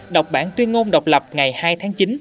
đọc bản tuyên ngôn độc lập ngày hai tháng chín